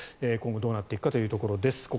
今後どうなっていくかということです。